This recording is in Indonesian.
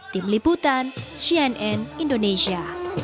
tim liputan cnn indonesia